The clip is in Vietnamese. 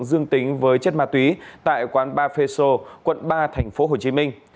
dương tính với chất ma túy tại quán ba phe so quận ba thành phố hồ chí minh